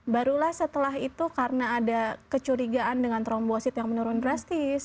barulah setelah itu karena ada kecurigaan dengan trombosit yang menurun drastis